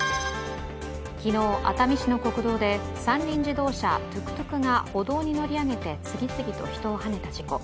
昨日、熱海市の国道で三輪自動車・トゥクトゥクが歩道に乗り上げて次々と人をはねた事故。